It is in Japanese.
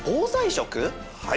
はい。